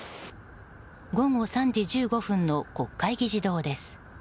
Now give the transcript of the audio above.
午後３時１５分の国会議事堂です。